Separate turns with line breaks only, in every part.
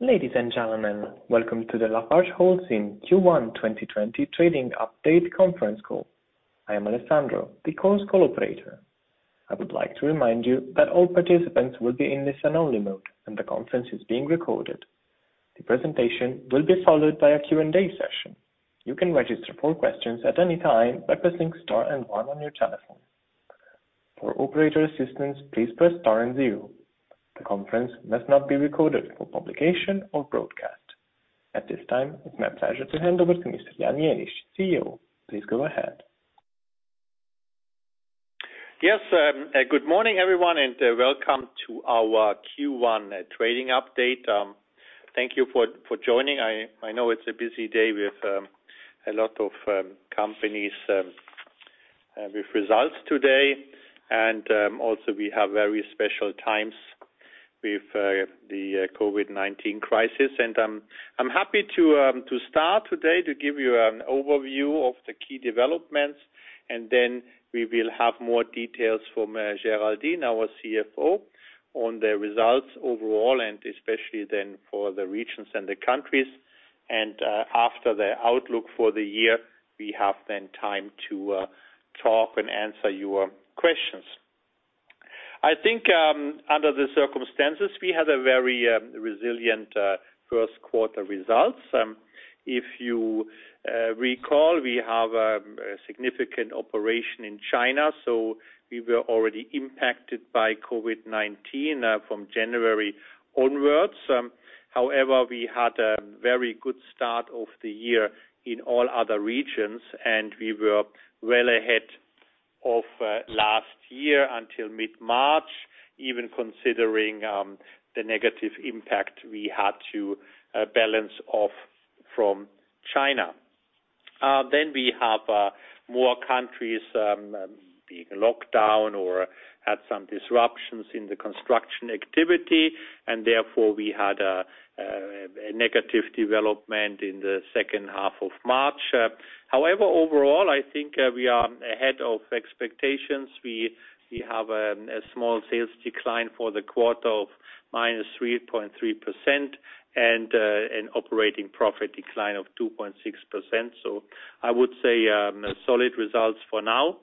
Ladies and gentlemen, welcome to the LafargeHolcim Q1 2020 Trading Update conference call. I am Alessandro, the Chorus Call operator. I would like to remind you that all participants will be in listen-only mode, and the conference is being recorded. The presentation will be followed by a Q&A session. You can register for questions at any time by pressing star and one on your telephone. For operator assistance, please press star and zero. The conference must not be recorded for publication or broadcast. At this time, it's my pleasure to hand over to Mr. Jan Jenisch, CEO. Please go ahead.
Yes. Good morning, everyone, welcome to our Q1 trading update. Thank you for joining. I know it's a busy day with a lot of companies with results today. Also we have very special times with the COVID-19 crisis. I'm happy to start today to give you an overview of the key developments, and then we will have more details from Géraldine, our CFO, on the results overall and especially then for the regions and the countries. After the outlook for the year, we have then time to talk and answer your questions. I think under the circumstances, we had a very resilient first quarter results. If you recall, we have a significant operation in China, so we were already impacted by COVID-19 from January onwards. We had a very good start of the year in all other regions, and we were well ahead of last year until mid-March, even considering the negative impact we had to balance off from China. We have more countries being locked down or had some disruptions in the construction activity, and therefore we had a negative development in the second half of March. Overall, I think we are ahead of expectations. We have a small sales decline for the quarter of -3.3% and an operating profit decline of 2.6%. I would say solid results for now.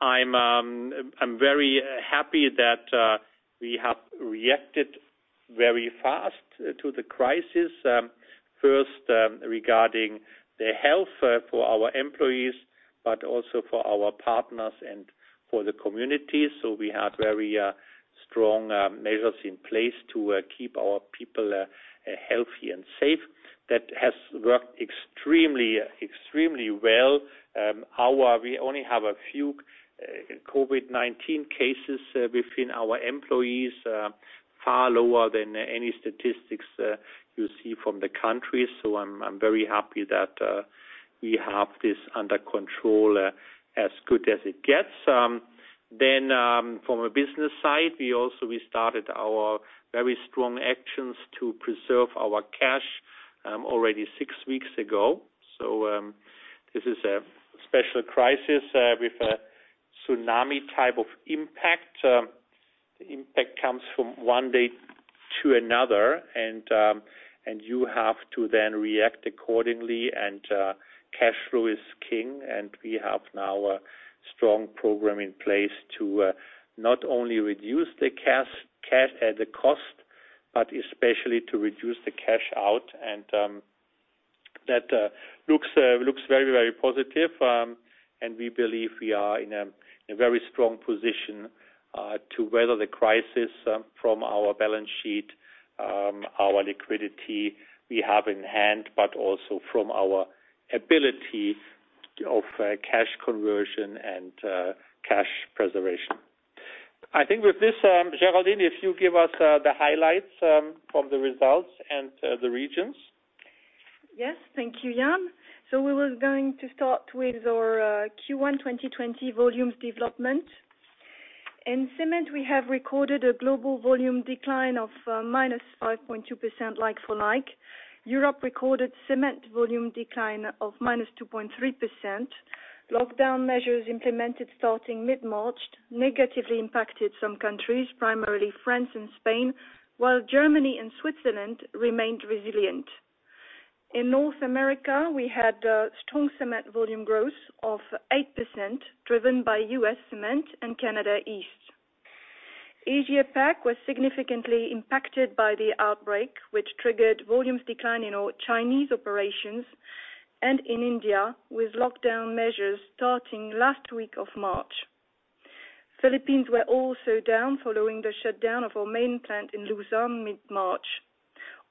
I'm very happy that we have reacted very fast to the crisis. First, regarding the health for our employees, but also for our partners and for the community. We had very strong measures in place to keep our people healthy and safe. That has worked extremely well. We only have a few COVID-19 cases within our employees, far lower than any statistics you see from the country. I'm very happy that we have this under control as good as it gets. From a business side, we also restarted our very strong actions to preserve our cash already six weeks ago. This is a special crisis with a tsunami type of impact. The impact comes from one day to another and you have to then react accordingly and cash flow is king, and we have now a strong program in place to not only reduce the cash as a cost, but especially to reduce the cash out. That looks very positive. We believe we are in a very strong position to weather the crisis from our balance sheet, our liquidity we have in hand, but also from our ability of cash conversion and cash preservation. I think with this Géraldine, if you give us the highlights from the results and the regions.
Yes. Thank you, Jan. We were going to start with our Q1 2020 volumes development. In cement, we have recorded a global volume decline of -5.2% like-for-like. Europe recorded cement volume decline of -2.3%. Lockdown measures implemented starting mid-March negatively impacted some countries, primarily France and Spain, while Germany and Switzerland remained resilient. In North America, we had strong cement volume growth of 8%, driven by U.S. cement and Canada East. APAC was significantly impacted by the outbreak, which triggered volumes decline in our Chinese operations and in India, with lockdown measures starting last week of March. Philippines were also down following the shutdown of our main plant in Luzon mid-March.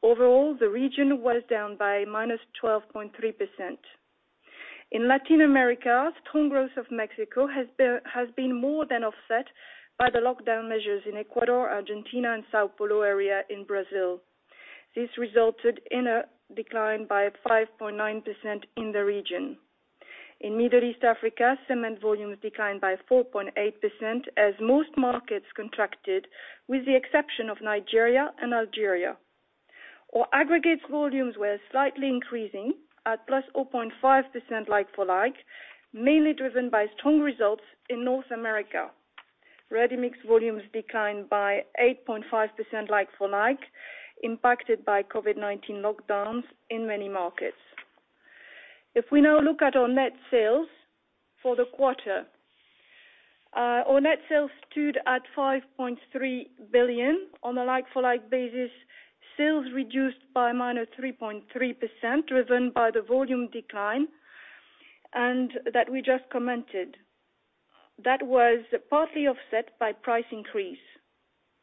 Overall, the region was down by -12.3%. In Latin America, strong growth of Mexico has been more than offset by the lockdown measures in Ecuador, Argentina, and São Paulo area in Brazil. This resulted in a decline by 5.9% in the region. In Middle East Africa, cement volumes declined by 4.8% as most markets contracted with the exception of Nigeria and Algeria. Our aggregates volumes were slightly increasing at +0.5% like-for-like, mainly driven by strong results in North America. Ready-mix volumes declined by 8.5%, like-for-like, impacted by COVID-19 lockdowns in many markets. If we now look at our net sales for the quarter. Our net sales stood at 5.3 billion. On a like-for-like basis, sales reduced by -3.3%, driven by the volume decline, and that we just commented. That was partly offset by price increase.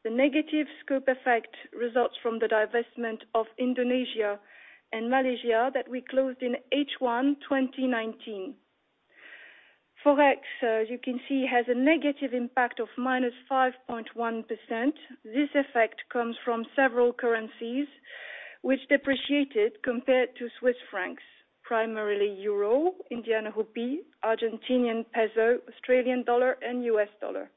The negative scope effect results from the divestment of Indonesia and Malaysia that we closed in H1 2019. Forex, as you can see, has a negative impact of -5.1%. This effect comes from several currencies which depreciated compared to Swiss francs, primarily Euro, Indian rupee, Argentinian Peso, Australian dollar, and US dollar.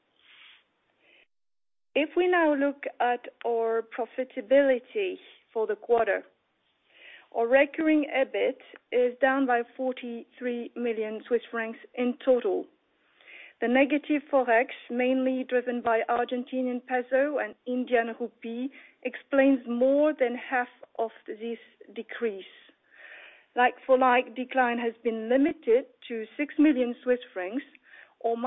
If we now look at our profitability for the quarter, our Recurring EBIT is down by 43 million Swiss francs in total. The negative Forex, mainly driven by Argentinian Peso and Indian rupee, explains more than half of this decrease. Like-for-like decline has been limited to 6 million Swiss francs or -2.6%.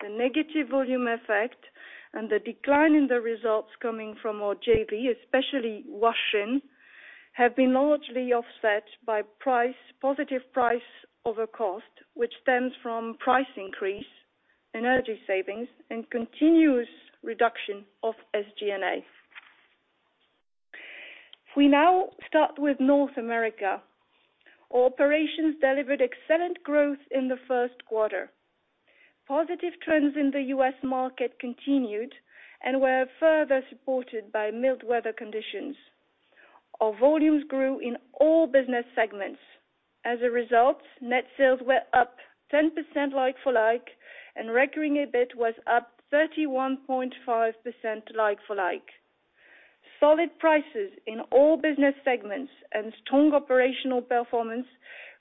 The negative volume effect and the decline in the results coming from our JV, especially Huaxin, have been largely offset by positive price over cost, which stems from price increase, energy savings, and continuous reduction of SG&A. If we now start with North America. Our operations delivered excellent growth in the first quarter. Positive trends in the U.S. market continued and were further supported by mild weather conditions. Our volumes grew in all business segments. As a result, net sales were up 10% like-for-like, and Recurring EBIT was up 31.5% like-for-like. Solid prices in all business segments and strong operational performance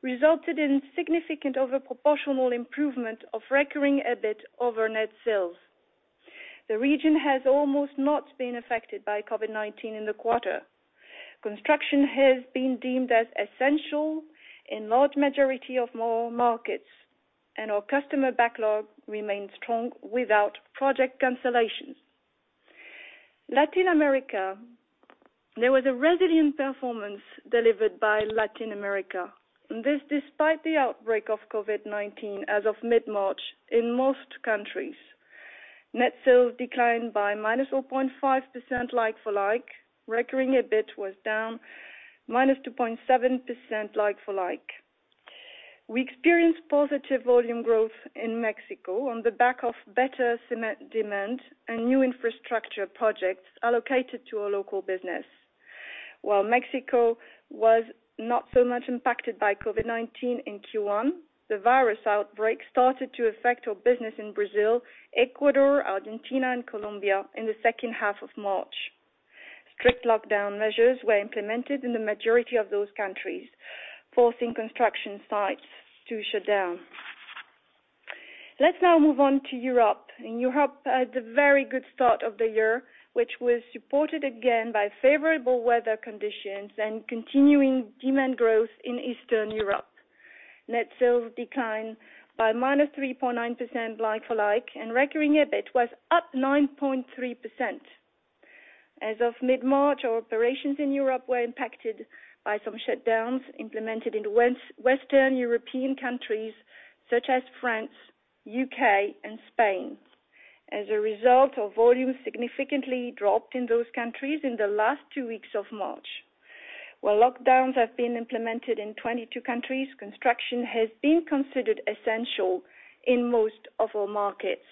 resulted in significant over proportional improvement of Recurring EBIT over net sales. The region has almost not been affected by COVID-19 in the quarter. Construction has been deemed as essential in large majority of markets, and our customer backlog remains strong without project cancellations. Latin America. There was a resilient performance delivered by Latin America, and this despite the outbreak of COVID-19 as of mid-March in most countries. Net sales declined by -0.5% like-for-like. Recurring EBIT was down -2.7% like-for-like. We experienced positive volume growth in Mexico on the back of better cement demand and new infrastructure projects allocated to our local business. While Mexico was not so much impacted by COVID-19 in Q1, the virus outbreak started to affect our business in Brazil, Ecuador, Argentina, and Colombia in the second half of March. Strict lockdown measures were implemented in the majority of those countries, forcing construction sites to shut down. Let's now move on to Europe. In Europe, we had a very good start of the year, which was supported again by favorable weather conditions and continuing demand growth in Eastern Europe. Net sales declined by -3.9% like-for-like, and recurring EBIT was up 9.3%. As of mid-March, our operations in Europe were impacted by some shutdowns implemented in Western European countries such as France, U.K., and Spain. As a result, our volume significantly dropped in those countries in the last two weeks of March. While lockdowns have been implemented in 22 countries, construction has been considered essential in most of our markets.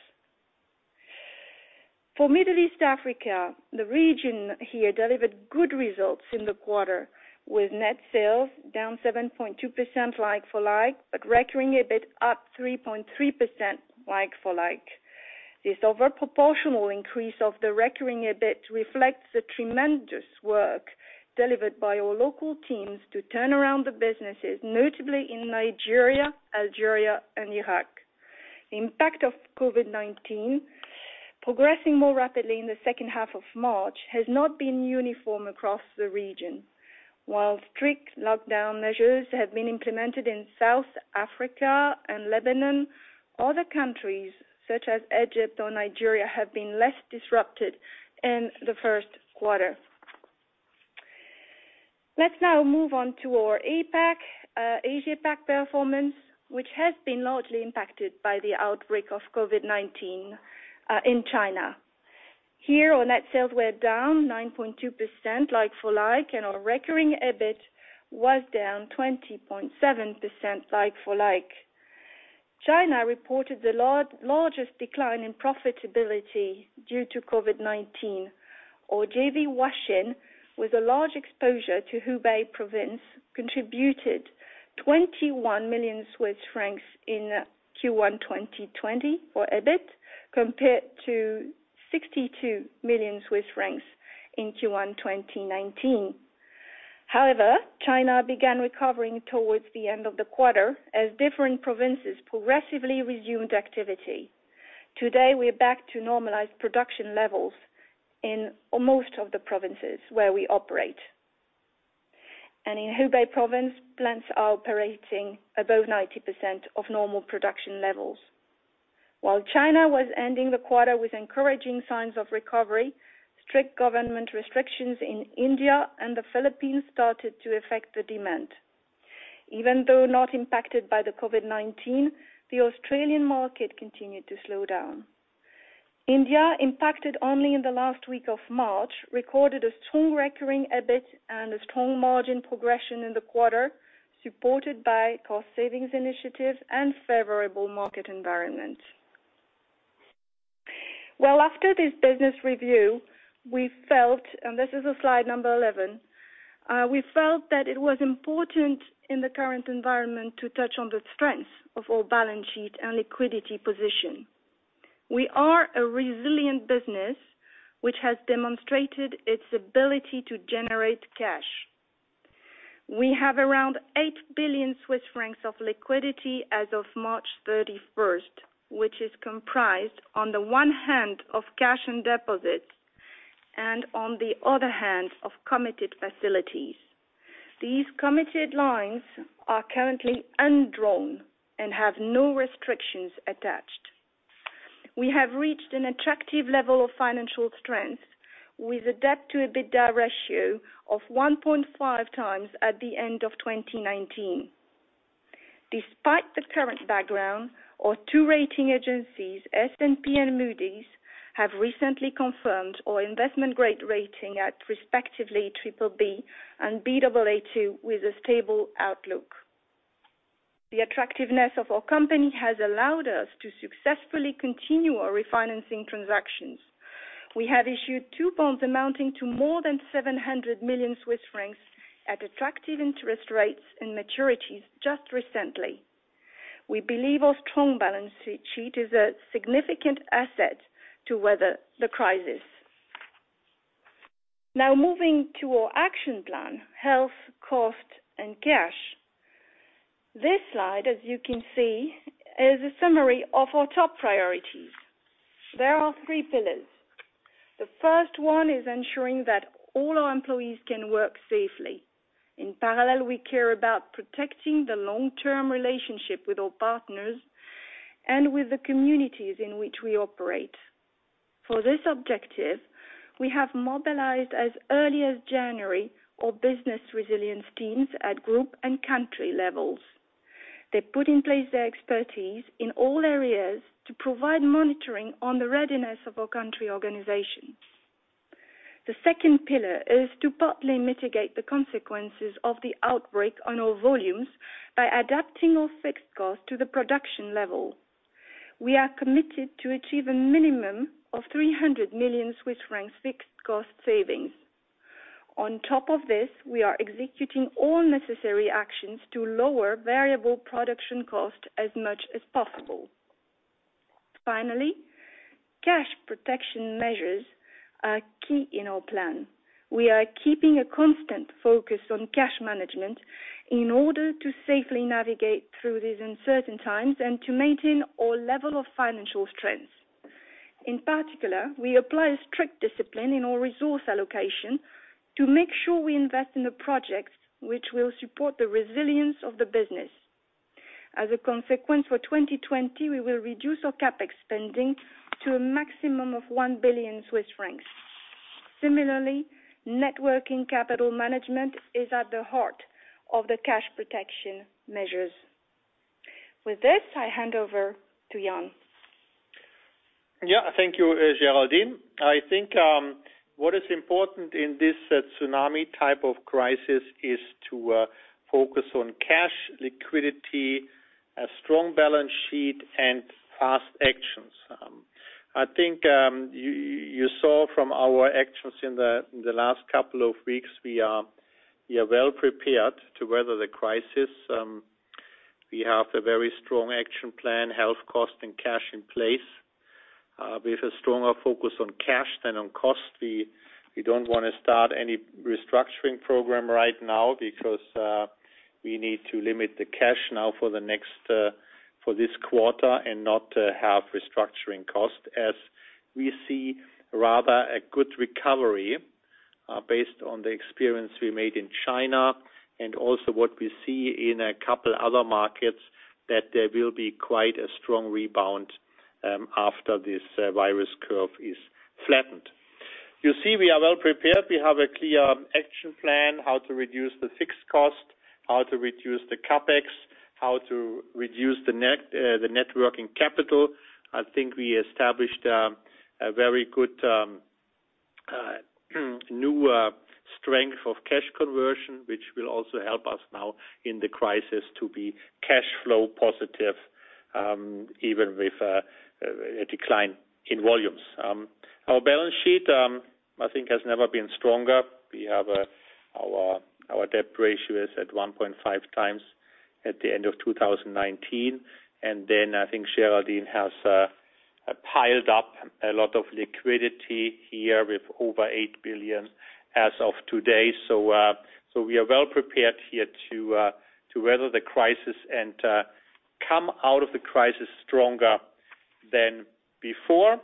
For Middle East Africa, the region here delivered good results in the quarter, with net sales down 7.2% like-for-like, but recurring EBIT up 3.3% like-for-like. This over proportional increase of the recurring EBIT reflects the tremendous work delivered by our local teams to turn around the businesses, notably in Nigeria, Algeria, and Iraq. Impact of COVID-19, progressing more rapidly in the second half of March, has not been uniform across the region. While strict lockdown measures have been implemented in South Africa and Lebanon, other countries such as Egypt or Nigeria, have been less disrupted in the first quarter. Let's now move on to our Asia-Pac performance, which has been largely impacted by the outbreak of COVID-19 in China. Here, our net sales were down 9.2% like-for-like, and our recurring EBIT was down 20.7% like-for-like. China reported the largest decline in profitability due to COVID-19. Our JV, Huaxin, with a large exposure to Hubei Province, contributed 21 million Swiss francs in Q1 2020 for EBIT, compared to 62 million Swiss francs in Q1 2019. However, China began recovering towards the end of the quarter as different provinces progressively resumed activity. Today, we are back to normalized production levels in most of the provinces where we operate. In Hubei Province, plants are operating above 90% of normal production levels. While China was ending the quarter with encouraging signs of recovery, strict government restrictions in India and the Philippines started to affect the demand. Even though not impacted by the COVID-19, the Australian market continued to slow down. India, impacted only in the last week of March, recorded a strong Recurring EBIT and a strong margin progression in the quarter, supported by cost savings initiatives and favorable market environment. Well, after this business review, and this is a slide number 11, we felt that it was important in the current environment to touch on the strength of our balance sheet and liquidity position. We are a resilient business, which has demonstrated its ability to generate cash. We have around 8 billion Swiss francs of liquidity as of March 31st, which is comprised, on the one hand of cash and deposits, and on the other hand of committed facilities. These committed lines are currently undrawn and have no restrictions attached. We have reached an attractive level of financial strength with a debt to EBITDA ratio of 1.5x at the end of 2019. Despite the current background, our two rating agencies, S&P and Moody's, have recently confirmed our investment grade rating at respectively BBB and Baa2, with a stable outlook. The attractiveness of our company has allowed us to successfully continue our refinancing transactions. We have issued two bonds amounting to more than 700 million Swiss francs at attractive interest rates and maturities just recently. We believe our strong balance sheet is a significant asset to weather the crisis. Now, moving to our action plan: health, cost, and cash. This slide, as you can see, is a summary of our top priorities. There are three pillars. The first one is ensuring that all our employees can work safely. In parallel, we care about protecting the long-term relationship with our partners and with the communities in which we operate. For this objective, we have mobilized as early as January our business resilience teams at group and country levels. They put in place their expertise in all areas to provide monitoring on the readiness of our country organizations. The second pillar is to partly mitigate the consequences of the outbreak on our volumes by adapting our fixed cost to the production level. We are committed to achieve a minimum of 300 million Swiss francs fixed cost savings. On top of this, we are executing all necessary actions to lower variable production cost as much as possible. Finally, cash protection measures are key in our plan. We are keeping a constant focus on cash management in order to safely navigate through these uncertain times and to maintain our level of financial strength. In particular, we apply a strict discipline in our resource allocation to make sure we invest in the projects which will support the resilience of the business. As a consequence for 2020, we will reduce our CapEx spending to a maximum of 1 billion Swiss francs. Similarly, net working capital management is at the heart of the cash protection measures. With this, I hand over to Jan.
Thank you, Géraldine. I think what is important in this tsunami type of crisis is to focus on cash liquidity, a strong balance sheet, and fast actions. I think you saw from our actions in the last couple of weeks, we are well prepared to weather the crisis. We have a very strong action plan, health, cost, and cash in place. With a stronger focus on cash than on cost. We don't want to start any restructuring program right now because we need to limit the cash now for this quarter and not have restructuring cost, as we see rather a good recovery based on the experience we made in China and also what we see in a couple other markets, that there will be quite a strong rebound after this virus curve is flattened. You see, we are well prepared. We have a clear action plan, how to reduce the fixed cost, how to reduce the CapEx, how to reduce the net working capital. I think we established a very good new strength of cash conversion, which will also help us now in the crisis to be cash flow positive, even with a decline in volumes. Our balance sheet, I think, has never been stronger. Our debt ratio is at 1.5x at the end of 2019. I think Géraldine has piled up a lot of liquidity here with over 8 billion as of today. We are well prepared here to weather the crisis and come out of the crisis stronger than before.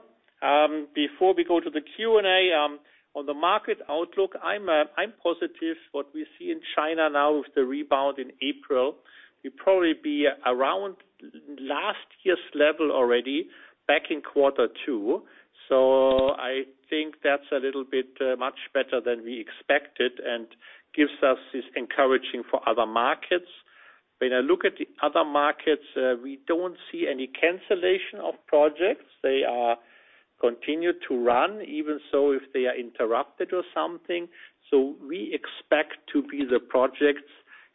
Before we go to the Q&A, on the market outlook, I'm positive what we see in China now with the rebound in April. We'll probably be around last year's level already back in quarter two. I think that's a little bit much better than we expected and gives us this encouraging for other markets. When I look at the other markets, we don't see any cancellation of projects. They are continued to run, even so if they are interrupted or something. We expect to be the projects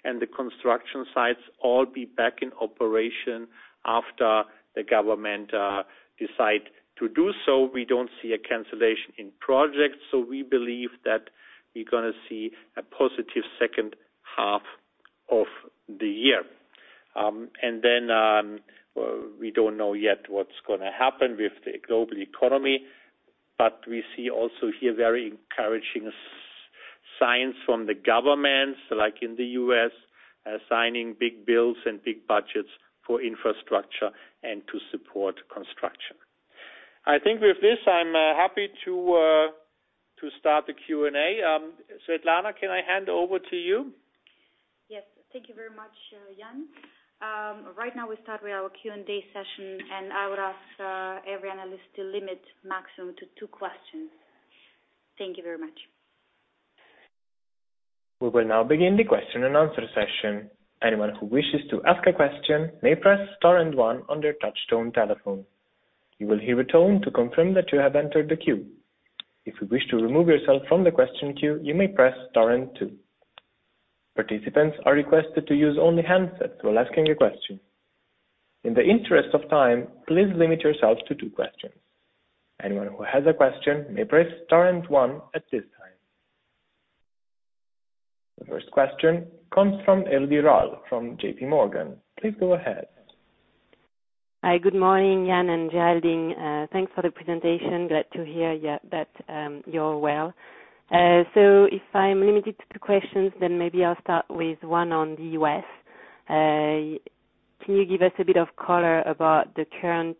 and the construction sites all be back in operation after the government decide to do so. We don't see a cancellation in projects, so we believe that we're going to see a positive second half of the year. We don't know yet what's going to happen with the global economy, but we see also here very encouraging signs from the governments, like in the U.S., signing big bills and big budgets for infrastructure and to support construction. I think with this, I'm happy to start the Q&A. Swetlana, can I hand over to you?
Yes. Thank you very much, Jan. Right now we start with our Q&A session. I would ask every analyst to limit maximum to two questions. Thank you very much.
We will now begin the question-and-answer session. Anyone who wishes to ask a question may press star and one on their touch tone telephone. You will hear a tone to confirm that you have entered the queue. If you wish to remove yourself from the question queue, you may press star and two. Participants are requested to use only handsets while asking a question. In the interest of time, please limit yourself to two questions. Anyone who has a question may press star and 1 at this time. The first question comes from Elodie Rall from JPMorgan. Please go ahead.
Hi. Good morning, Jan and Géraldine. Thanks for the presentation. Glad to hear that you're well. If I'm limited to two questions, maybe I'll start with one on the U.S. Can you give us a bit of color about the current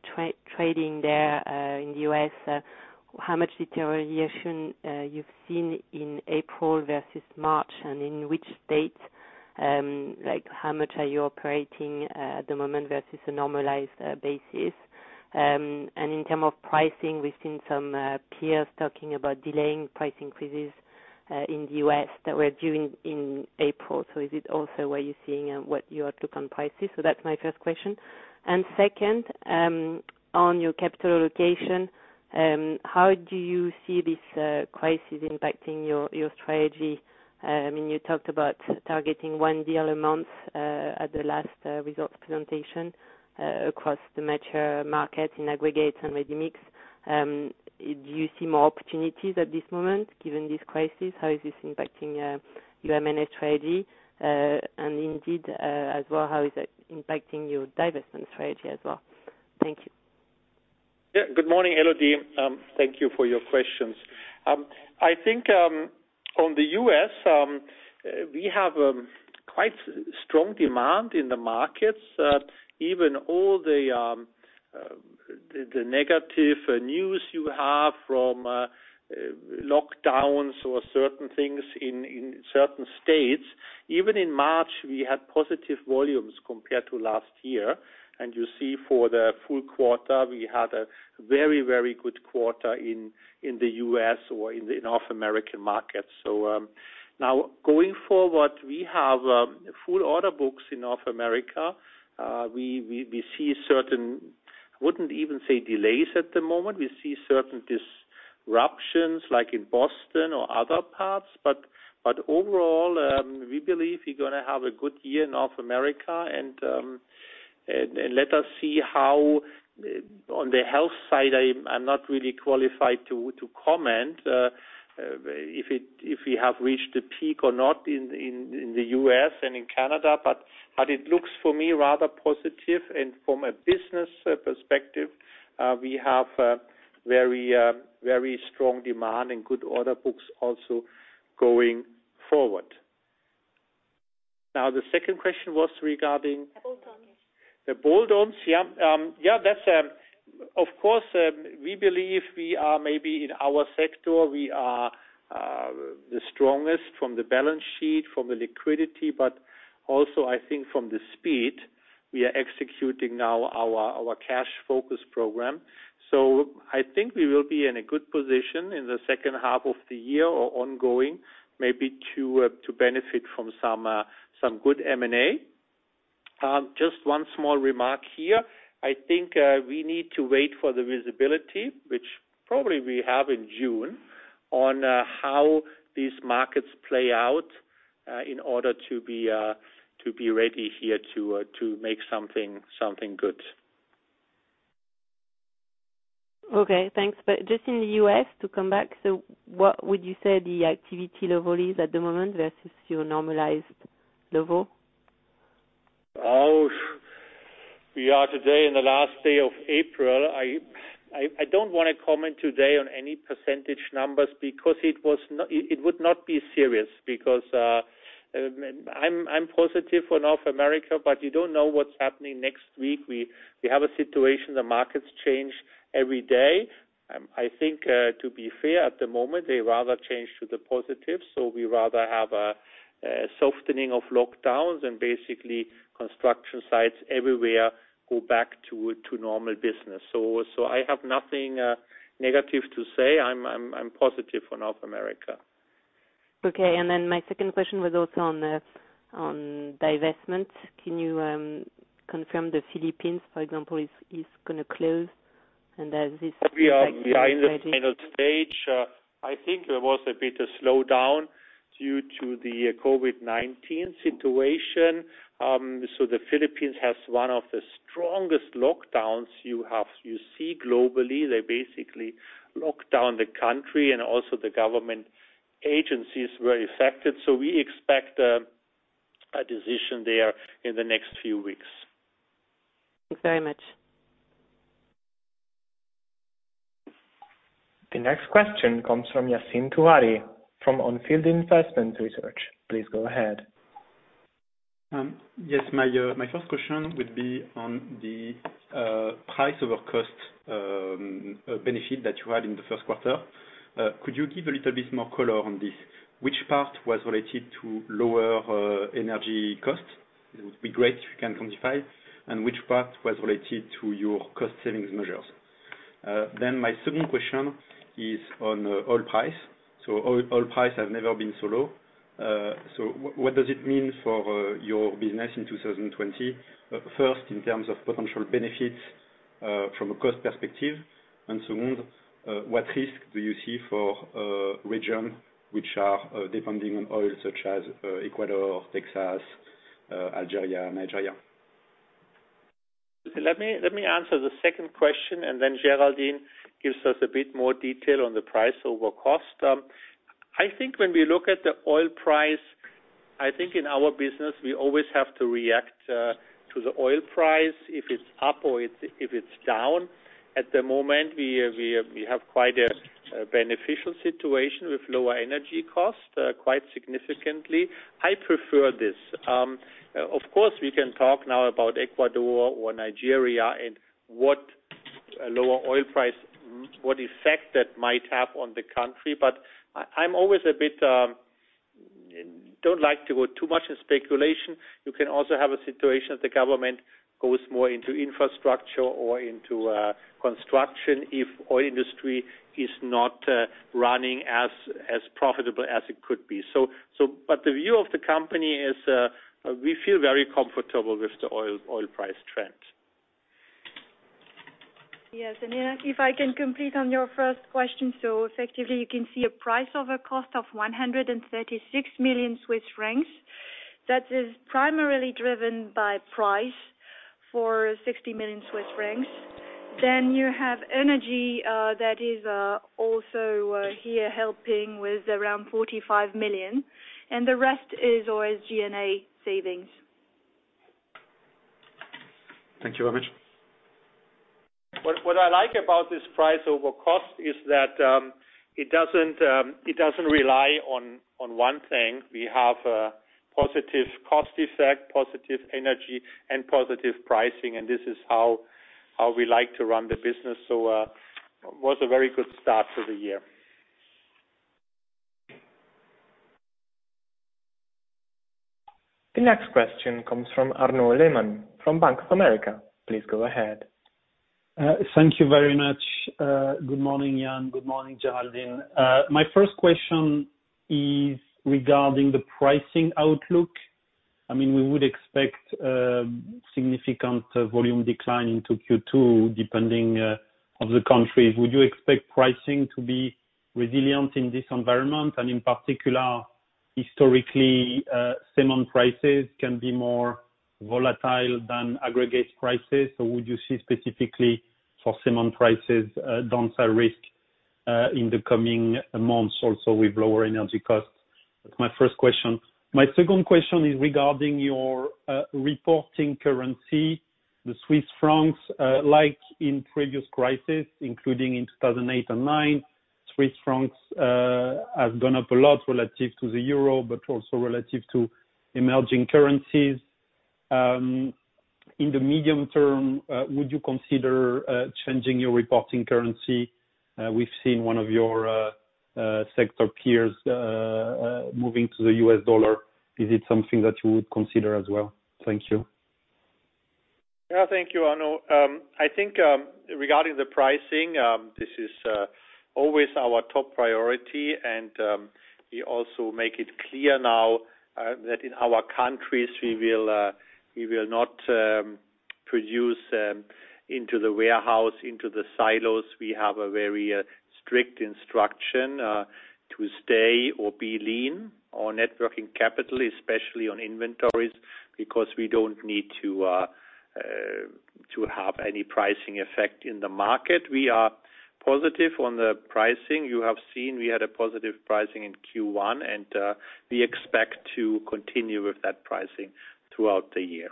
trading there in the U.S.? How much deterioration you've seen in April versus March, and in which states? How much are you operating at the moment versus a normalized basis? In term of pricing, we've seen some peers talking about delaying price increases in the U.S. that were due in April. Is it also where you're seeing and what your outlook on price is? That's my first question. Second, on your capital allocation, how do you see this crisis impacting your strategy? You talked about targeting one deal a month at the last results presentation across the mature markets in aggregates and ready mix. Do you see more opportunities at this moment given this crisis? How is this impacting your M&A strategy? Indeed, as well, how is that impacting your divestment strategy as well? Thank you.
Yeah. Good morning, Elodie. Thank you for your questions. I think, on the U.S., we have quite strong demand in the markets. All the negative news you have from lockdowns or certain things in certain states, even in March, we had positive volumes compared to last year. You see for the full quarter, we had a very good quarter in the U.S. or in the North American market. Now going forward, we have full order books in North America. We see certain, wouldn't even say delays at the moment. We see certain disruptions like in Boston or other parts, but overall, we believe we're going to have a good year in North America, and let us see how on the health side, I'm not really qualified to comment if we have reached the peak or not in the U.S. and in Canada, but it looks for me rather positive. From a business perspective, we have very strong demand and good order books also going forward. The second question was regarding.
bolt-ons.
The bolt-ons. Of course, we believe we are maybe in our sector, we are the strongest from the balance sheet, from the liquidity, but also I think from the speed we are executing now our cash focus program. I think we will be in a good position in the second half of the year or ongoing, maybe to benefit from some good M&A. Just one small remark here. I think we need to wait for the visibility, which probably we have in June, on how these markets play out, in order to be ready here to make something good.
Okay, thanks. Just in the U.S. to come back, what would you say the activity level is at the moment versus your normalized level?
We are today in the last day of April. I don't want to comment today on any percentage numbers because it would not be serious. I'm positive for North America, but you don't know what's happening next week. We have a situation, the markets change every day. I think, to be fair, at the moment, they rather change to the positive. We rather have a softening of lockdowns and basically construction sites everywhere go back to normal business. I have nothing negative to say. I'm positive for North America.
Okay, my second question was also on divestment. Can you confirm the Philippines, for example, is going to close? does this reflect.
We are behind the final stage. I think there was a bit of slowdown due to the COVID-19 situation. The Philippines has one of the strongest lockdowns you see globally. They basically locked down the country, and also the government agencies were affected, so we expect a decision there in the next few weeks.
Thanks very much.
The next question comes from Yassine Touahri from On Field Investment Research. Please go ahead.
Yes. My first question would be on the price over cost benefit that you had in the first quarter. Could you give a little bit more color on this? Which part was related to lower energy costs? It would be great if you can quantify. Which part was related to your cost savings measures? My second question is on oil price. Oil price has never been so low. What does it mean for your business in 2020? First, in terms of potential benefits from a cost perspective, and second, what risks do you see for regions which are depending on oil, such as Ecuador, Texas, Algeria, Nigeria?
Let me answer the second question, and then Géraldine gives us a bit more detail on the price over cost. I think when we look at the oil price, I think in our business, we always have to react to the oil price, if it's up or if it's down. At the moment, we have quite a beneficial situation with lower energy costs, quite significantly. I prefer this. Of course, we can talk now about Ecuador or Nigeria and what lower oil price, what effect that might have on the country, but I don't like to go too much in speculation. You can also have a situation that the government goes more into infrastructure or into construction if oil industry is not running as profitable as it could be. But the view of the company is we feel very comfortable with the oil price trend.
Yes. If I can complete on your first question. Effectively, you can see a price over cost of 136 million Swiss francs. That is primarily driven by price for 60 million Swiss francs. You have energy that is also here helping with around 45 million. The rest is SG&A savings.
Thank you very much.
What I like about this price over cost is that it doesn't rely on one thing. We have a positive cost effect, positive energy, and positive pricing, and this is how we like to run the business. It was a very good start to the year.
The next question comes from Arnaud Lehmann from Bank of America. Please go ahead.
Thank you very much. Good morning, Jan. Good morning, Géraldine. My first question is regarding the pricing outlook. We would expect a significant volume decline into Q2, depending on the countries. Would you expect pricing to be resilient in this environment? In particular, historically, cement prices can be more volatile than aggregate prices. Would you see specifically for cement prices downside risk in the coming months also with lower energy costs? That's my first question. My second question is regarding your reporting currency, the Swiss francs. Like in previous crisis, including in 2008 and 2009, Swiss francs have gone up a lot relative to the euro, but also relative to emerging currencies. In the medium term, would you consider changing your reporting currency? We've seen one of your sector peers moving to the US dollar. Is it something that you would consider as well? Thank you.
Yeah. Thank you, Arnaud. I think regarding the pricing, this is always our top priority, and we also make it clear now that in our countries, we will not produce into the warehouse, into the silos. We have a very strict instruction to stay or be lean on net working capital, especially on inventories, because we don't need to have any pricing effect in the market. We are positive on the pricing. You have seen we had a positive pricing in Q1, and we expect to continue with that pricing throughout the year.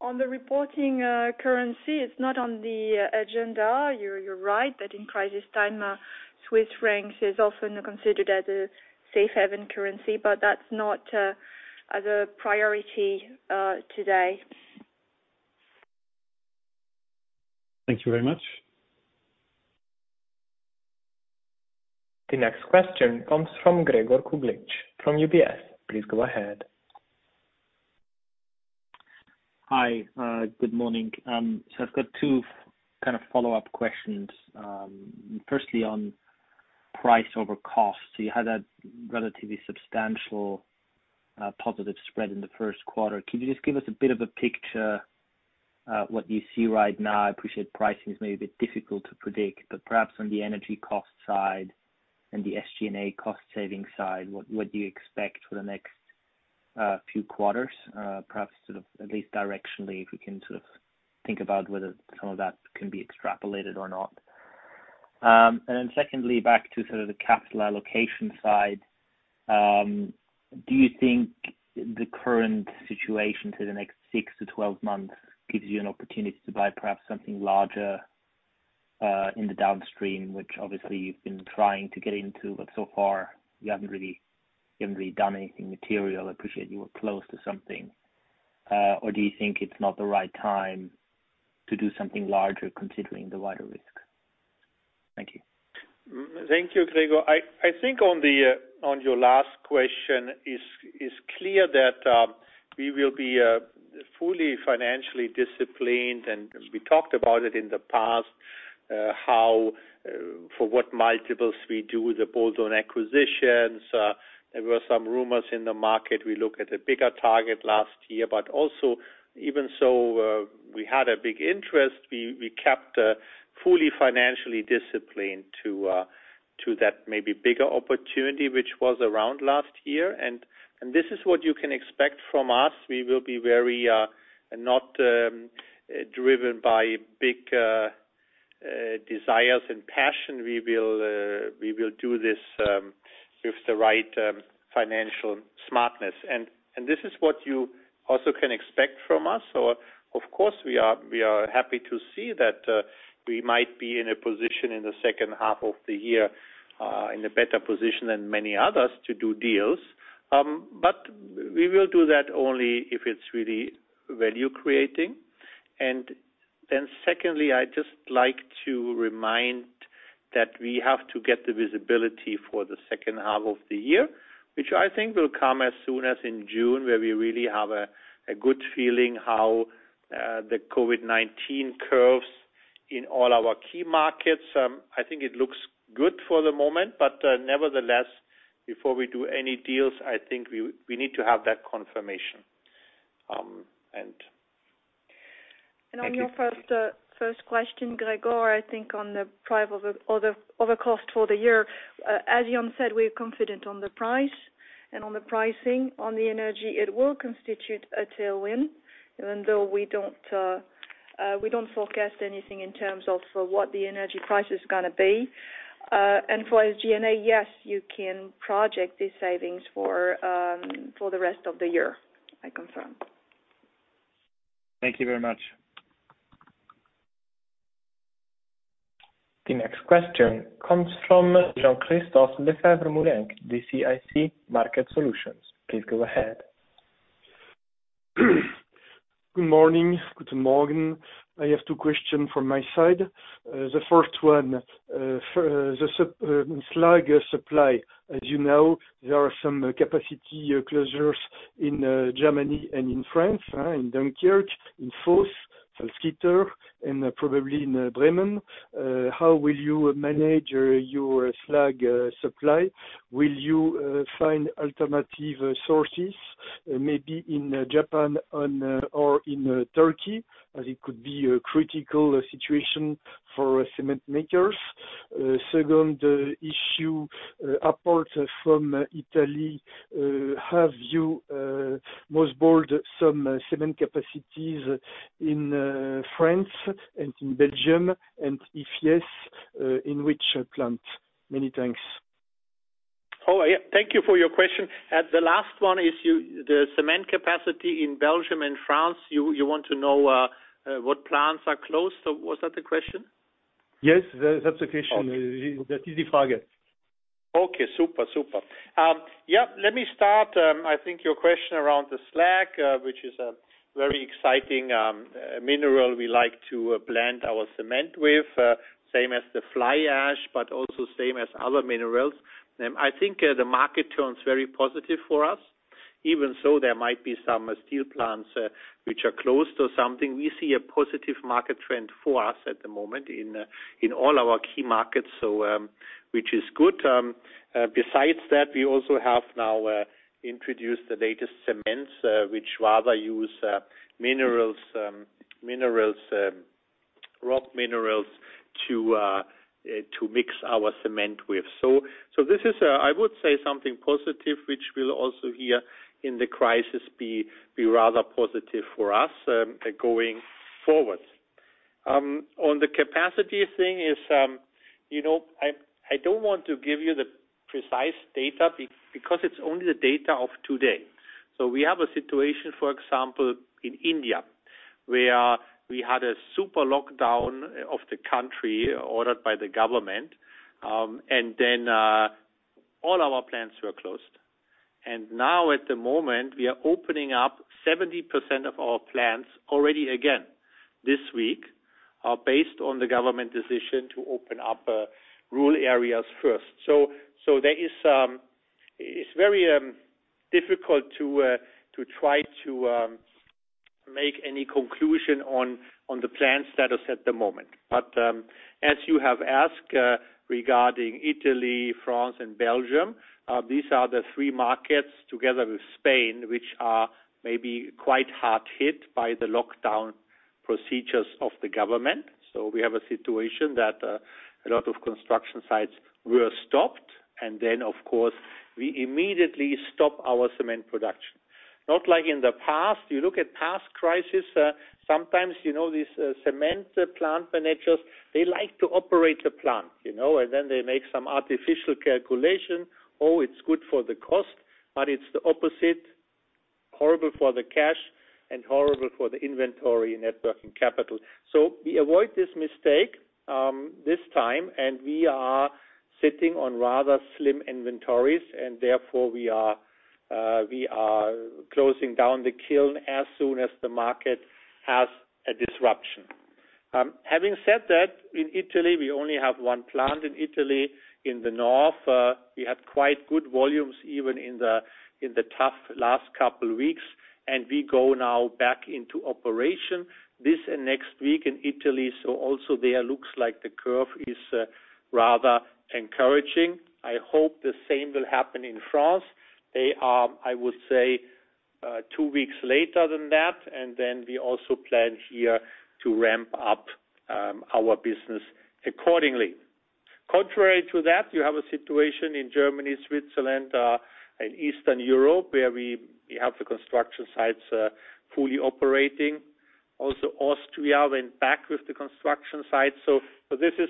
On the reporting currency, it's not on the agenda. You're right, that in crisis time, Swiss franc is often considered as a safe haven currency, but that's not the priority today.
Thank you very much.
The next question comes from Gregor Kuglitsch from UBS. Please go ahead.
Hi. Good morning. I've got two follow-up questions. Firstly, on price over cost. You had that relatively substantial positive spread in the first quarter. Could you just give us a bit of a picture, what you see right now? I appreciate pricing is maybe a bit difficult to predict, but perhaps on the energy cost side and the SG&A cost-saving side, what do you expect for the next few quarters? Perhaps at least directionally, if we can think about whether some of that can be extrapolated or not. Secondly, back to the capital allocation side. Do you think the current situation to the next six to 12 months gives you an opportunity to buy perhaps something larger, in the downstream, which obviously you've been trying to get into, but so far you haven't really done anything material? I appreciate you were close to something. Do you think it's not the right time to do something larger considering the wider risk? Thank you.
Thank you, Gregor. I think on your last question, it's clear that we will be fully financially disciplined, and we talked about it in the past, for what multiples we do the bolt-on acquisitions. There were some rumors in the market. We look at a bigger target last year, but also even so we had a big interest. We kept fully financially disciplined to that maybe bigger opportunity, which was around last year. This is what you can expect from us. We will be very not driven by big desires and passion. We will do this with the right financial smartness. This is what you also can expect from us. Of course, we are happy to see that we might be in a position in the second half of the year in a better position than many others to do deals. We will do that only if it's really value-creating. Secondly, I'd just like to remind that we have to get the visibility for the second half of the year, which I think will come as soon as in June, where we really have a good feeling how the COVID-19 curves in all our key markets. I think it looks good for the moment, but nevertheless, before we do any deals, I think we need to have that confirmation. Thank you.
On your first question, Gregor, I think on the price over cost for the year, as Jan said, we are confident on the price and on the pricing on the energy. It will constitute a tailwind, even though we don't forecast anything in terms of for what the energy price is going to be. For SG&A, yes, you can project these savings for the rest of the year, I confirm.
Thank you very much.
The next question comes from Jean-Christophe Lefèvre-Moulenq with CIC Market Solutions. Please go ahead.
Good morning. I have two question from my side. The first one, the slag supply. As you know, there are some capacity closures in Germany and in France, in Dunkerque, in Fos, Falconeta, and probably in Bremen. How will you manage your slag supply? Will you find alternative sources maybe in Japan or in Turkey, as it could be a critical situation for cement makers? Second issue, apart from Italy, have you mothballed some cement capacities in France and in Belgium? And if yes, in which plant? Many thanks.
Oh, yeah. Thank you for your question. The last one is the cement capacity in Belgium and France. You want to know what plants are closed, was that the question?
Yes. That's the question.
Okay. Super. Yeah, let me start. I think your question around the slag, which is a very exciting mineral we like to blend our cement with, same as the fly ash, but also same as other minerals. I think the market turns very positive for us. Even so there might be some steel plants which are closed or something. We see a positive market trend for us at the moment in all our key markets, which is good. Besides that, we also have now introduced the latest cements, which rather use minerals Rock minerals to mix our cement with. This is, I would say something positive, which will also here in the crisis be rather positive for us going forward. On the capacity thing is, I don't want to give you the precise data because it's only the data of today. We have a situation, for example, in India, where we had a super lockdown of the country ordered by the government, and then all our plants were closed. Now at the moment, we are opening up 70% of our plants already again this week, based on the government decision to open up rural areas first. It's very difficult to try to make any conclusion on the plant status at the moment. As you have asked, regarding Italy, France, and Belgium, these are the three markets together with Spain, which are maybe quite hard hit by the lockdown procedures of the government. We have a situation that a lot of construction sites were stopped, and then of course, we immediately stop our cement production. Not like in the past. You look at past crisis, sometimes, these cement plant managers, they like to operate the plant. They make some artificial calculation. Oh, it's good for the cost, but it's the opposite, horrible for the cash and horrible for the inventory net working capital. We avoid this mistake this time, and we are sitting on rather slim inventories, and therefore we are closing down the kiln as soon as the market has a disruption. Having said that, in Italy, we only have one plant in Italy, in the north. We had quite good volumes, even in the tough last couple weeks, and we go now back into operation this and next week in Italy, also there looks like the curve is rather encouraging. I hope the same will happen in France. They are, I would say, two weeks later than that, and then we also plan here to ramp up our business accordingly. Contrary to that, you have a situation in Germany, Switzerland, and Eastern Europe, where we have the construction sites fully operating. Also Austria went back with the construction site. This is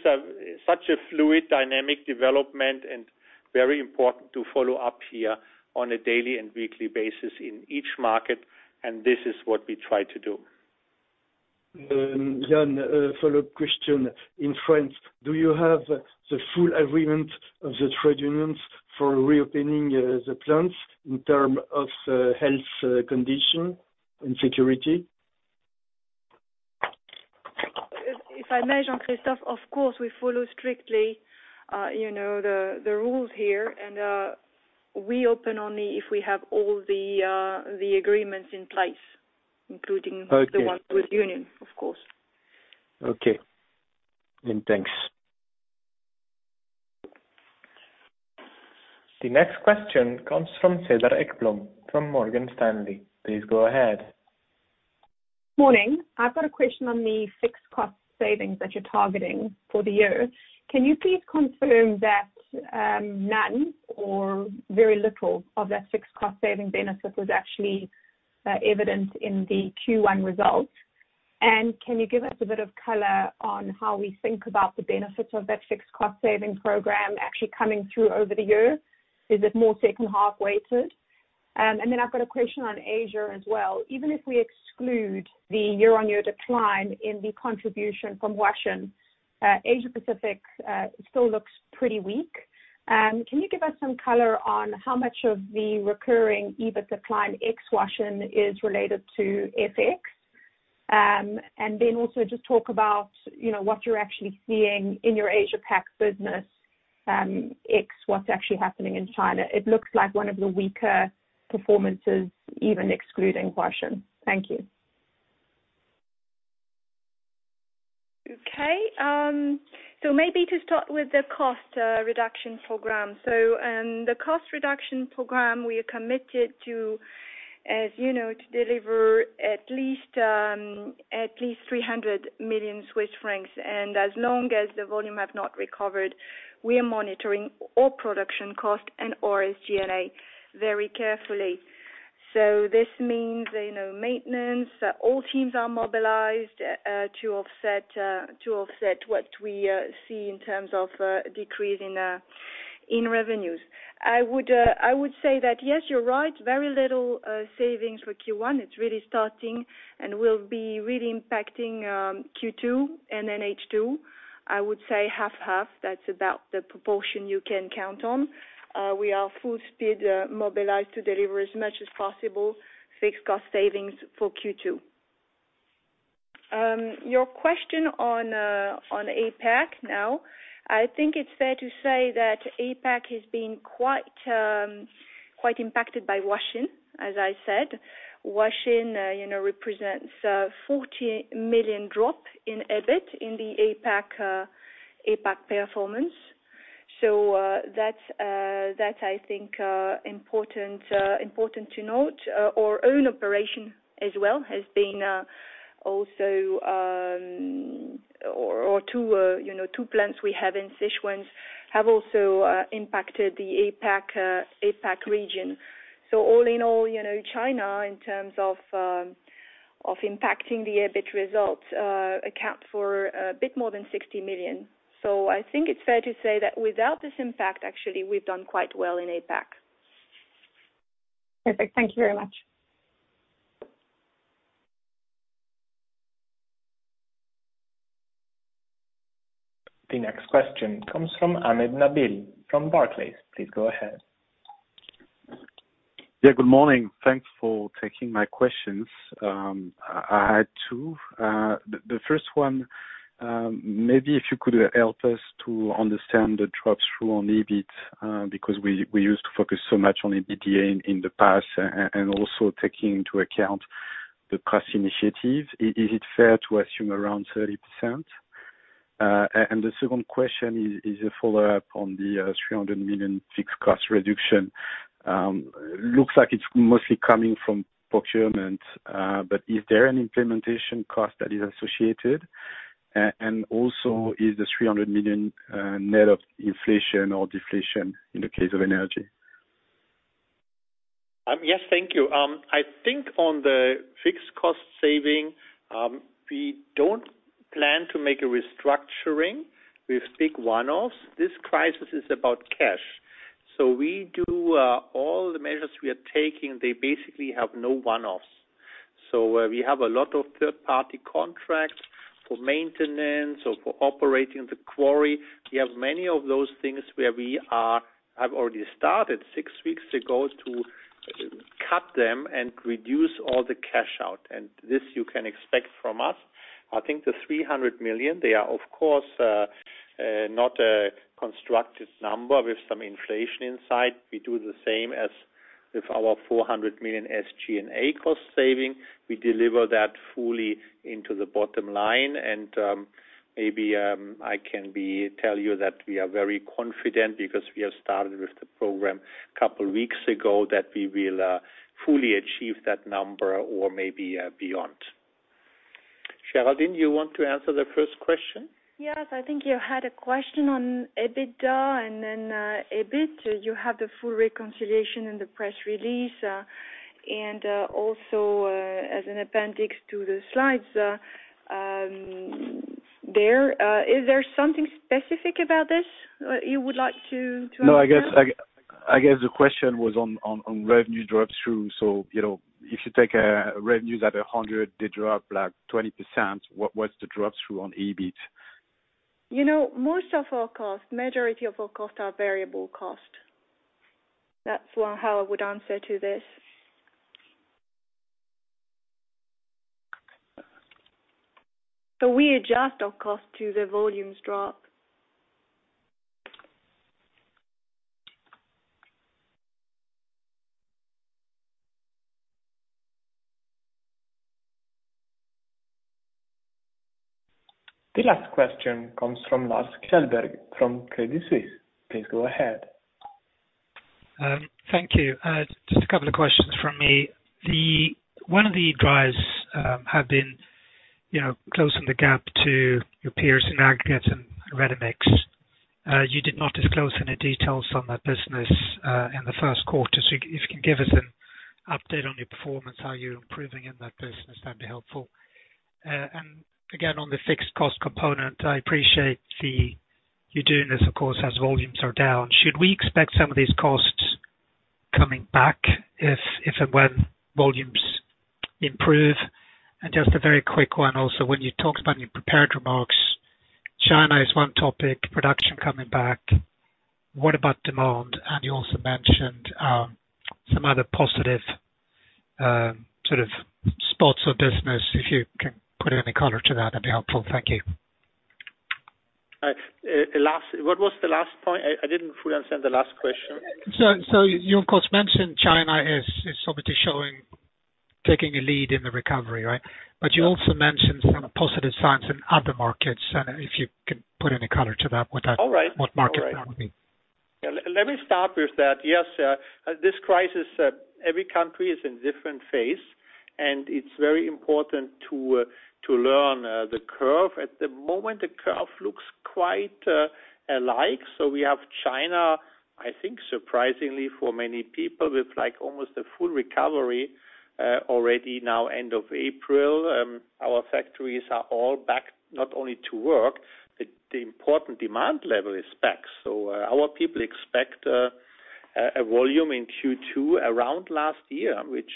such a fluid dynamic development and very important to follow up here on a daily and weekly basis in each market, and this is what we try to do.
Jan, a follow-up question. In France, do you have the full agreement of the trade unions for reopening the plants in terms of health condition and security?
If I may, Jean-Christophe, of course, we follow strictly the rules here, and we open only if we have all the agreements in place, including.
Okay
the ones with union,
of course.
Okay. Thanks.
The next question comes from Cedar Ekblom, from Morgan Stanley. Please go ahead.
Morning. I've got a question on the fixed cost savings that you're targeting for the year. Can you please confirm that none or very little of that fixed cost saving benefit was actually evident in the Q1 results? Can you give us a bit of color on how we think about the benefits of that fixed cost saving program actually coming through over the year? Is it more second half-weighted? I've got a question on Asia as well. Even if we exclude the year-on-year decline in the contribution from Huaxin, Asia Pacific still looks pretty weak. Can you give us some color on how much of the Recurring EBIT decline ex Huaxin is related to FX? Also just talk about what you're actually seeing in your Asia Pac business, ex what's actually happening in China. It looks like one of the weaker performances, even excluding Huaxin. Thank you.
Okay. Maybe to start with the cost reduction program. The cost reduction program we are committed to, as you know, to deliver at least 300 million Swiss francs. As long as the volume have not recovered, we are monitoring all production cost and SG&A very carefully. This means maintenance. All teams are mobilized to offset what we see in terms of decrease in revenues. I would say that, yes, you're right. Very little savings for Q1. It's really starting and will be really impacting Q2 and then H2. I would say 50/50. That's about the proportion you can count on. We are full speed mobilized to deliver as much as possible fixed cost savings for Q2. Your question on APAC now. I think it's fair to say that APAC has been quite impacted by Huaxin, as I said. Huaxin represents 40 million drop in EBIT in the APAC performance. That I think important to note. Our own operation as well has been also, or two plants we have in Sichuan have also impacted the APAC region. All in all, China, in terms of impacting the EBIT results, account for a bit more than 60 million. I think it's fair to say that without this impact, actually, we've done quite well in APAC.
Perfect. Thank you very much.
The next question comes from Nabil Ahmed from Barclays. Please go ahead.
Good morning. Thanks for taking my questions. I had two. The first one, maybe if you could help us to understand the drop through on EBIT, because we used to focus so much on EBITDA in the past, and also taking into account the cost initiative. Is it fair to assume around 30%? The second question is a follow-up on the 300 million fixed cost reduction. Looks like it's mostly coming from procurement, but is there an implementation cost that is associated? Also is the 300 million net of inflation or deflation in the case of energy?
Thank you. I think on the fixed cost saving, we don't plan to make a restructuring with big one-offs. We do all the measures we are taking, they basically have no one-offs. We have a lot of third-party contracts for maintenance or for operating the quarry. We have many of those things where we have already started six weeks ago to cut them and reduce all the cash out, and this you can expect from us. I think the 300 million, they are of course not a constructed number with some inflation inside. We do the same as with our 400 million SG&A cost saving. We deliver that fully into the bottom line, and maybe I can tell you that we are very confident because we have started with the program a couple of weeks ago, that we will fully achieve that number or maybe beyond. Géraldine, you want to answer the first question?
I think you had a question on EBITDA and then EBIT. You have the full reconciliation in the press release, and also, as an appendix to the slides. Is there something specific about this you would like to answer?
No, I guess the question was on revenue drop through. If you take revenues at 100, they drop like 20%, what's the drop through on EBIT?
Most of our costs, majority of our costs are variable cost. That's how I would answer to this. We adjust our cost to the volumes drop.
The last question comes from Lars Kjellberg from Credit Suisse. Please go ahead.
Thank you. Just a couple of questions from me. One of the drives have been closing the gap to your peers in aggregates and ready-mix. You did not disclose any details on that business in the first quarter. If you can give us an update on your performance, how you're improving in that business, that would be helpful. Again, on the fixed cost component, I appreciate you're doing this, of course, as volumes are down. Should we expect some of these costs coming back if and when volumes improve? Just a very quick one also. When you talked about in your prepared remarks, China is one topic, production coming back. What about demand? You also mentioned some other positive sort of spots of business. If you can put any color to that would be helpful. Thank you.
Lars, what was the last point? I didn't fully understand the last question.
You, of course, mentioned China is obviously showing, taking a lead in the recovery, right? You also mentioned some positive signs in other markets, and if you could put any color to that?
All right.
what markets that would be.
Let me start with that. Yes, this crisis, every country is in different phase, and it's very important to learn the curve. At the moment, the curve looks quite alike. We have China, I think surprisingly for many people, with almost a full recovery already now end of April. Our factories are all back, not only to work, but the important demand level is back. Our people expect a volume in Q2 around last year, which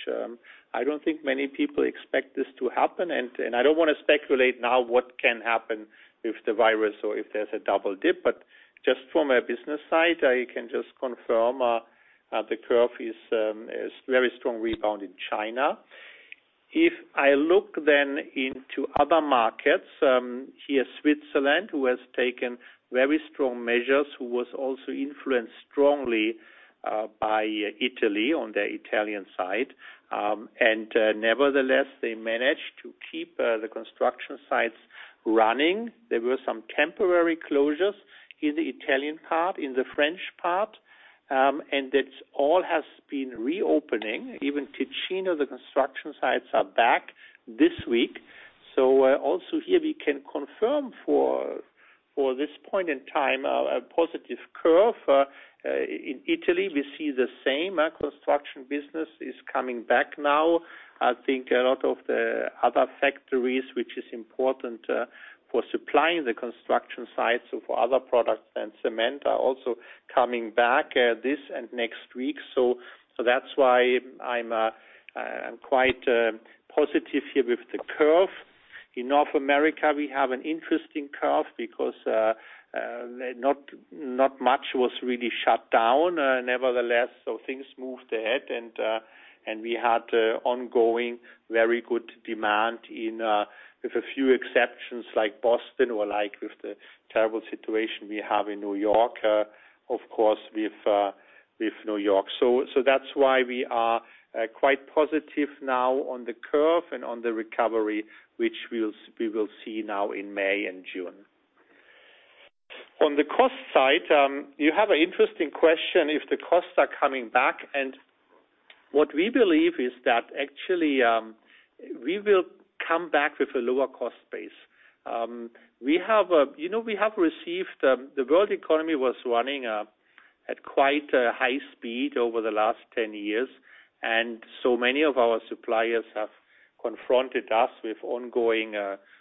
I don't think many people expect this to happen. I don't want to speculate now what can happen with the virus or if there's a double dip, but just from a business side, I can just confirm the curve is very strong rebound in China. If I look then into other markets, here Switzerland, who has taken very strong measures, who was also influenced strongly by Italy on the Italian side. Nevertheless, they managed to keep the construction sites running. There were some temporary closures in the Italian part, in the French part. That all has been reopening. Even Ticino, the construction sites are back this week. Also here we can confirm for this point in time, a positive curve. In Italy, we see the same. Construction business is coming back now. I think a lot of the other factories, which is important for supplying the construction sites for other products and cement, are also coming back this and next week. That's why I'm quite positive here with the curve. In North America, we have an interesting curve because not much was really shut down. Nevertheless, things moved ahead, and we had ongoing, very good demand with a few exceptions like Boston or with the terrible situation we have in New York. That's why we are quite positive now on the curve and on the recovery, which we will see now in May and June. On the cost side, you have an interesting question if the costs are coming back, and what we believe is that actually, we will come back with a lower cost base. The world economy was running at quite a high speed over the last 10 years, many of our suppliers have confronted us with ongoing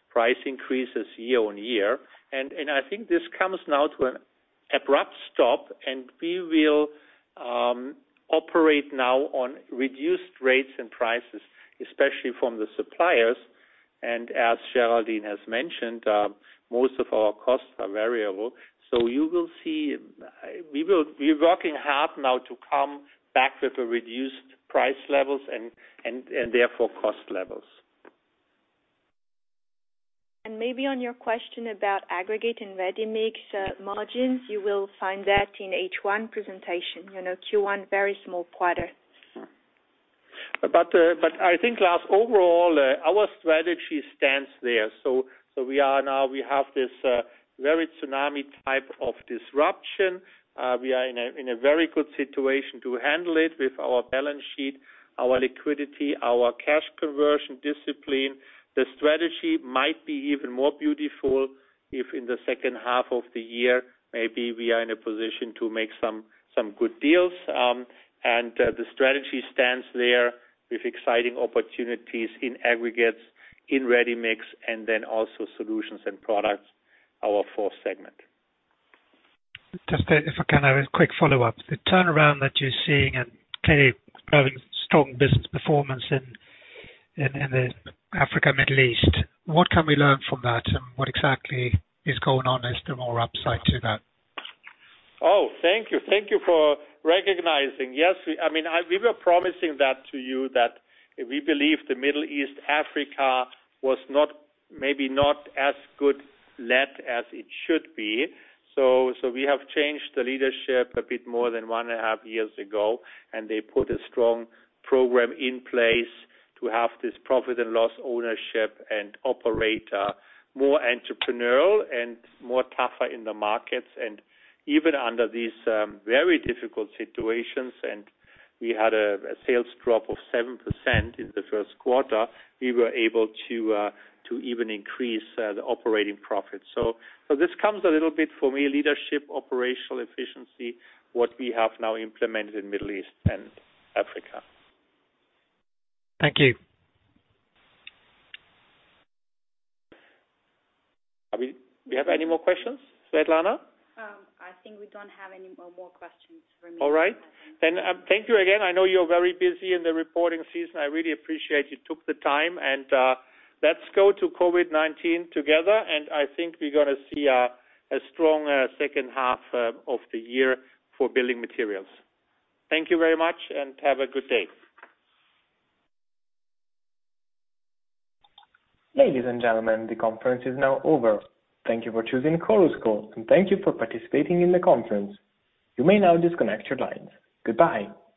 price increases year on year. I think this comes now to an abrupt stop, and we will operate now on reduced rates and prices, especially from the suppliers. As Géraldine has mentioned, most of our costs are variable. We're working hard now to come back with the reduced price levels, and therefore, cost levels.
Maybe on your question about aggregate and ready-mix margins, you will find that in H1 presentation. Q1, very small quarter.
I think, Lars, overall, our strategy stands there. Now we have this very tsunami type of disruption. We are in a very good situation to handle it with our balance sheet, our liquidity, our cash conversion discipline. The strategy might be even more beautiful if in the second half of the year, maybe we are in a position to make some good deals. The strategy stands there with exciting opportunities in aggregates, in ready mix, and then also solutions and products, our fourth segment.
Just if I can have a quick follow-up. The turnaround that you're seeing and clearly having strong business performance in the Africa, Middle East, what can we learn from that? What exactly is going on? Is there more upside to that?
Oh, thank you. Thank you for recognizing. Yes. We were promising that to you that we believe the Middle East, Africa was maybe not as good led as it should be. We have changed the leadership a bit more than one and a half years ago, and they put a strong program in place to have this profit and loss ownership and operate more entrepreneurial and more tougher in the markets. Even under these very difficult situations, and we had a sales drop of 7% in the first quarter, we were able to even increase the operating profit. This comes a little, for me, leadership, operational efficiency, what we have now implemented in Middle East and Africa.
Thank you.
Do we have any more questions, Swetlana?
I think we don't have any more questions remaining on the line.
All right. Thank you again. I know you're very busy in the reporting season. I really appreciate you took the time, and let's go to COVID-19 together, and I think we're going to see a strong second half of the year for building materials. Thank you very much and have a good day.
Ladies and gentlemen, the conference is now over. Thank you for choosing Chorus Call, and thank you for participating in the conference. You may now disconnect your lines. Goodbye.